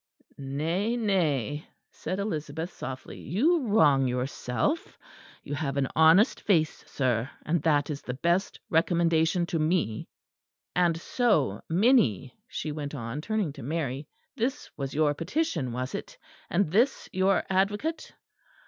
"Nay, nay," said Elizabeth softly, "you wrong yourself. You have an honest face, sir; and that is the best recommendation to me. "And so, Minnie," she went on, turning to Mary, "this was your petition, was it; and this your advocate?